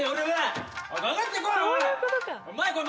はい！